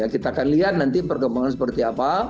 kita akan lihat nanti perkembangan seperti apa